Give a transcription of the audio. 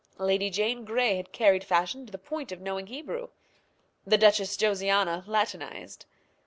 Lady Jane Grey had carried fashion to the point of knowing Hebrew. The Duchess Josiana Latinized.